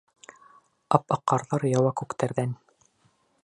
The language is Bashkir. Ап-аҡ ҡарҙар яуа күктәрҙән